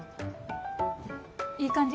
いい感じ？